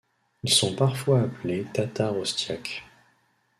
Ils sont parfois appelés Tatars Ostiaks.